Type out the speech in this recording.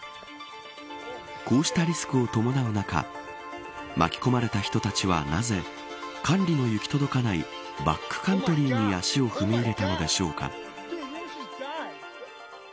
こうしたリスクを伴う中巻き込まれた人たちはなぜ管理の行き届かないバックカントリーに見えます。